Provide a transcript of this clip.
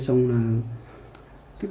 đúng với quý